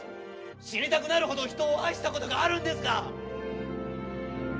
死にたくなるほど人を愛したことがあるんですか